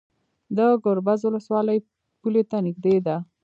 د ګربز ولسوالۍ پولې ته نږدې ده